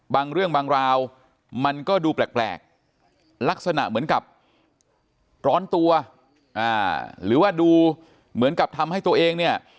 บางเรื่องบางราวมันก็ดูแปลกลักษณะเหมือนกับร้อนตัวหรือว่าดูเหมือนกับทำให้ตัวเองเนี่ย